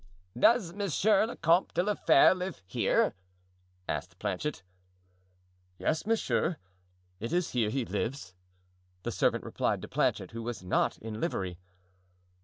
"Does Monsieur le Comte de la Fere live here?" asked Planchet. "Yes, monsieur, it is here he lives," the servant replied to Planchet, who was not in livery.